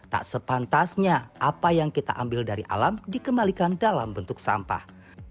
tak sepantasnya apa yang kita ambil dari alam dikembalikan dalam bentuk sampah